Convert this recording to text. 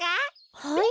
はい？